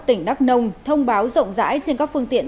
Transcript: tỉnh đắk nông thông báo rộng rãi trên các phương tiện